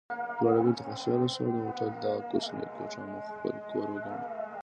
دواړه بېرته خوشحاله شوو او د هوټل دغه کوچنۍ کوټه مو خپل کور وګاڼه.